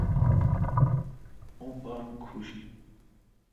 اوں پان کھوش این